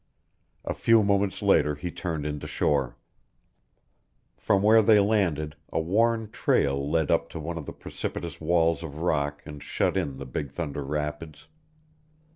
A few moments later he turned into shore. From where they landed, a worn trail led up to one of the precipitous walls of rock and shut in the Big Thunder Rapids.